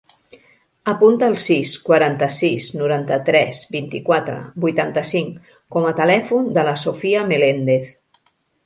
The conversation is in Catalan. Apunta el sis, quaranta-sis, noranta-tres, vint-i-quatre, vuitanta-cinc com a telèfon de la Sophia Melendez.